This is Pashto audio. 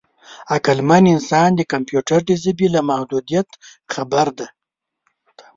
عقلمن انسان د کمپیوټر د ژبې له محدودیت خبر دی.